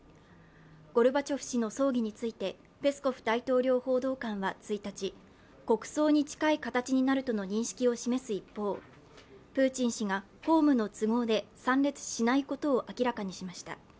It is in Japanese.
ゴルバチョフ氏の葬儀についてペスコフ大統領報道官は１日、国葬に近い形になるとの認識を示す一方、プーチン氏が校務の都合で参列しないことを明らかにしました。